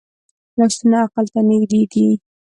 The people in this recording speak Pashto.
لاسونه عقل ته نږدې دي